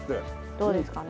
どうですかね？